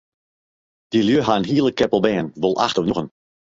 Dy lju ha in hiele keppel bern, wol acht of njoggen.